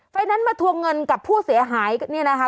ให้นั้นมาเทรียมเงินกับผู้เสียหายเนี่ยนะคะ